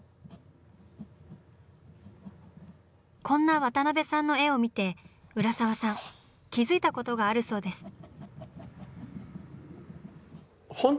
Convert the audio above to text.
こんな渡辺さんの絵を見て浦沢さん気付いたことがあるそうです。